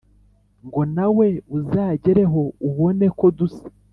Ngo nawe uzagereho ubone ko dusa